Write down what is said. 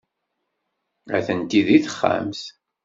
Atenti deg texxamt.